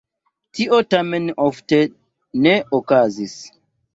Tio tamen ofte ne okazis.